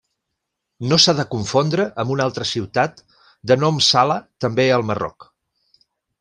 No s'ha de confondre amb una altra ciutat de nom Sala també al Marroc.